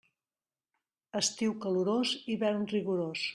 Estiu calorós, hivern rigorós.